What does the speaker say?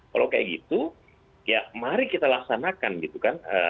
kalau kayak gitu ya mari kita laksanakan gitu kan